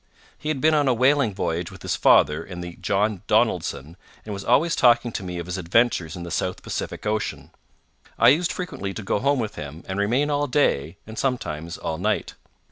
He had been on a whaling voyage with his father in the John Donaldson, and was always talking to me of his adventures in the South Pacific Ocean. I used frequently to go home with him, and remain all day, and sometimes all night.